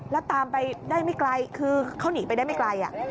แล้วตามไปได้ไม่ไกลคือเขาหนีไปได้ไม่ไกล